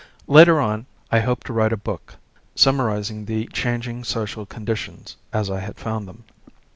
Later on, I hoped to write a book summarizing the changing social conditions as I had found them.